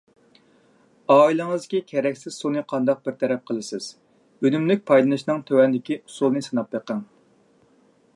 ئائىلىڭىزدىكى كېرەكسىز سۇنى قانداق بىر تەرەپ قىلىسىز؟ ئۈنۈملۈك پايدىلىنىشنىڭ تۆۋەندىكى ئۇسۇلىنى سىناپ بېقىڭ.